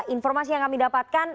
informasi yang kami dapatkan